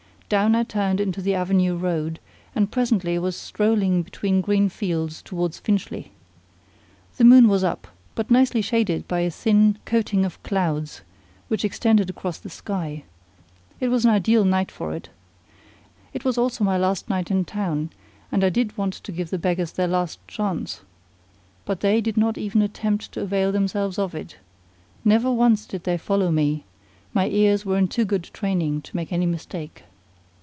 Down I turned into the Avenue Road, and presently was strolling between green fields towards Finchley. The moon was up, but nicely shaded by a thin coating of clouds which extended across the sky: it was an ideal night for it. It was also my last night in town, and I did want to give the beggars their last chance. But they did not even attempt to avail themselves of it: never once did they follow me: my ears were in too good training to make any mistake.